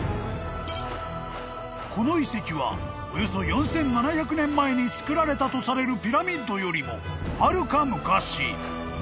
［この遺跡はおよそ４，７００年前に造られたとされるピラミッドよりもはるか昔］